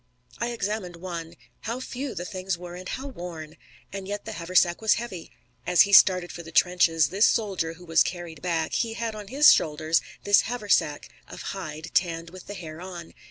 I examined one. How few the things were and how worn! And yet the haversack was heavy. As he started for the trenches, this soldier who was carried back, he had on his shoulders this haversack of hide tanned with the hair on.